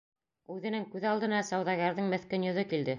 Үҙенең күҙ алдына сауҙагәрҙең меҫкен йөҙө килде.